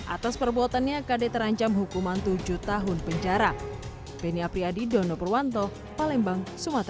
atas perbuatannya kd terancam hukuman tujuh tahun penjara beni apriyadi dono purwanto palembang